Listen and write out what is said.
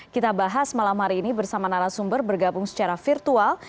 kita bahas malam hari ini bersama narasumber bergabung secara virtual